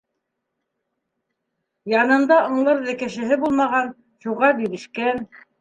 Янында аңларҙай кешеһе булмаған, шуға бирешкән.